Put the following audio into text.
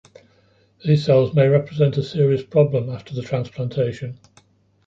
These cells may represent a serious problem after the transplantation.